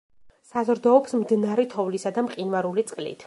საზრდოობს მდნარი თოვლისა და მყინვარული წყლით.